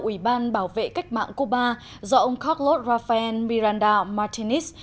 ủy ban bảo vệ cách mạng cuba do ông carlos rafael miranda martinis